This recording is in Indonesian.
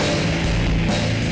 aku mau ngapain